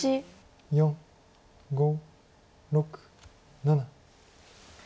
４５６７。